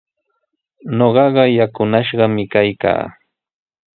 Ñuqaqa yakunashqami kaykaa.